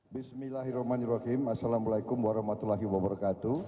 bismillahirrahmanirrahim assalamualaikum warahmatullahi wabarakatuh